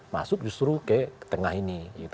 masuk justru ke tengah ini